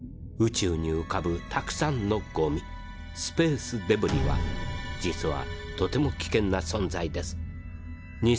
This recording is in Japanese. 宇宙にうかぶたくさんのゴミスペースデブリは実はとても危険な存在です。